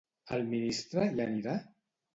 El ministre hi anirà?